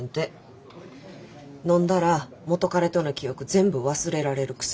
のんだら元カレとの記憶全部忘れられる薬。